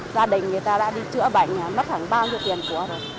gia đình người ta đã đi chữa bệnh mất thẳng bao nhiêu tiền của họ rồi